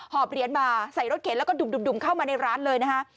หอบเหรียญมาใส่รถเข็นแล้วก็ดุ่มเข้ามาในร้านเลยนะคะ